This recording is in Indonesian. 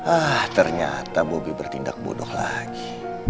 ah ternyata bobi bertindak bodoh lagi